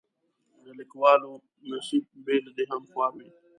د لیکوالو نصیب بې له دې هم خوار وي.